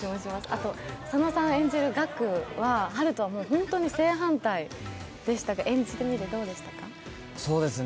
あと、佐野さん演じるガクはハルと本当に正反対でしたが、演じてみてどうでしたか？